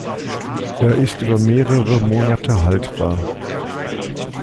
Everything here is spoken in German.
Er ist über mehrere Monate haltbar.